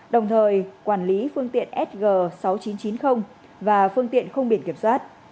đồng thời quản lý phương tiện sg sáu nghìn chín trăm chín mươi và phương tiện không biển kiểm soát